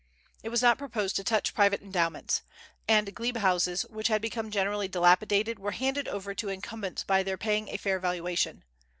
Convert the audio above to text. It was not proposed to touch private endowments; and glebe houses which had become generally dilapidated were handed over to incumbents by their paying a fair valuation.